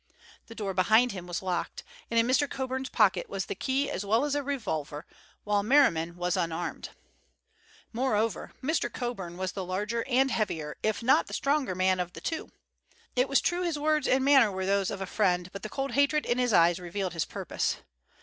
The door behind him was locked, and in Mr. Coburn's pocket was the key as well as a revolver, while Merriman was unarmed. Moreover, Mr. Coburn was the larger and heavier, if not the stronger man of the two. It was true his words and manner were those of a friend, but the cold hatred in his eyes revealed his purpose.